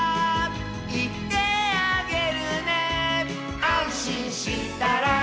「いってあげるね」「あんしんしたら」